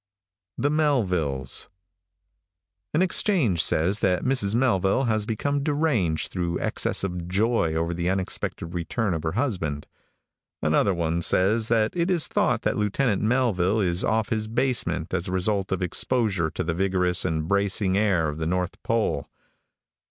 THE MELVILLES. |AN exchange says that Mrs. Melville has become deranged through excess of joy over the unexpected return of her husband. Another one says that it is thought that Lieutenant Melville is off his basement as a result of exposure to the vigorous and bracing air of the north pole.